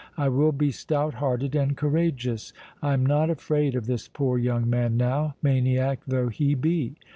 I will be stout hearted and courageous! I am not afraid of this poor young man now, maniac though he be!